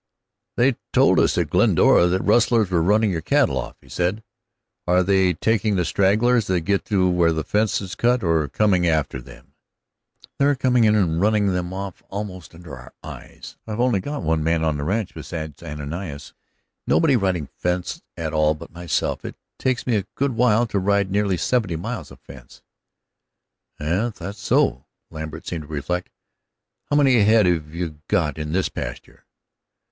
"They told us at Glendora that rustlers were running your cattle off," said he. "Are they taking the stragglers that get through where the fence is cut, or coming after them?" "They're coming in and running them off almost under our eyes. I've only got one man on the ranch beside Ananias; nobody riding fence at all but myself. It takes me a good while to ride nearly seventy miles of fence." "Yes, that's so," Lambert seemed to reflect. "How many head have you got in this pasture?"